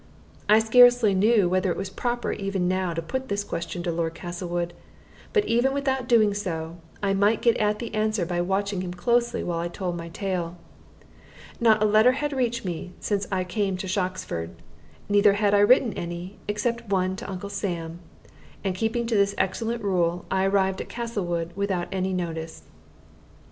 I scarcely knew whether it was proper even now to put this question to Lord Castlewood; but even without doing so, I might get at the answer by watching him closely while I told my tale. Not a letter had reached me since I came to Shoxford, neither had I written any, except one to Uncle Sam; and keeping to this excellent rule, I arrived at Castlewood without notice.